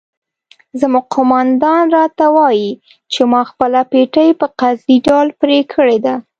زموږ قومندان راته وایي چې ما خپله پټۍ په قصدي ډول پرې کړې ده.